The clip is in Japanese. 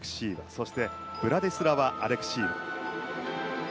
そしてブラディスラワ・アレクシーワ。